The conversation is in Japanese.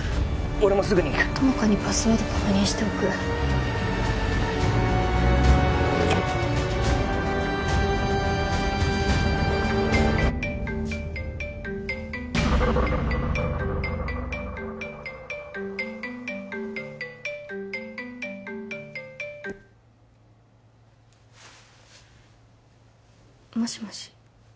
俺もすぐに行く友果にパスワード確認しておくもしもし